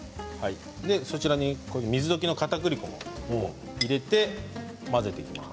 そちらに水溶きのかたくり粉も入れて混ぜていきます。